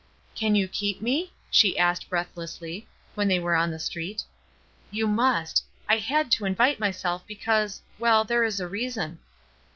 "Can you keep me?" she asked breath lessly, when they were on the street. "You must; I had to invite myself, because — well, there is a reason."